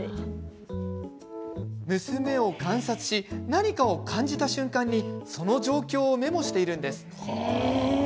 娘を観察し、何かを感じた瞬間にその状況をメモしているんです。